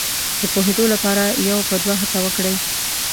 د پوهېدو لپاره یو په دوه هڅه وکړي.